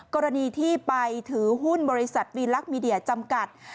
กรณีที่ไปถือหุ้นบริษัทวีลักษณ์มีเดียจำกัด